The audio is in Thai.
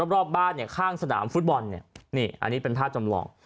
รอบบ้านเนี่ยข้างสนามฟุตบอลเนี่ยนี่อันนี้เป็นภาพจำลอง